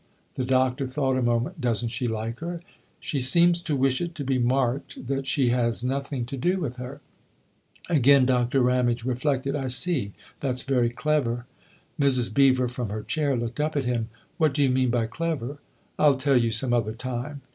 The Doctor thought a moment. " Doesn't she like her ?" "She seems to wish it to be marked that she has nothing to do with her." 112 THE OTHER HOUSE Again Doctor Ramage reflected. " I see that's very clever." Mrs. Beever, from her chair, looked up at him. " What do you mean by ' clever '?" "I'll tell you some other time."